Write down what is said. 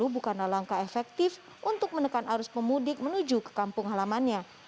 bukanlah langkah efektif untuk menekan arus pemudik menuju ke kampung halamannya